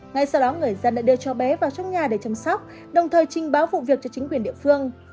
ngay sau đó người dân đã đưa cháu bé vào trong nhà để chăm sóc đồng thời trình báo vụ việc cho chính quyền địa phương